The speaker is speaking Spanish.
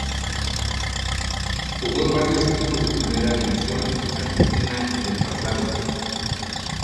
Jugo en varios equipos de Primera División Argentina en el pasado.